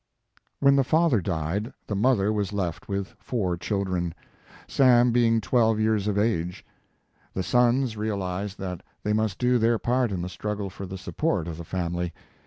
When the father died, the mother was left with four children, Sam being twelve years of age. The sons realized that they must do their part in the struggle for the support of the family.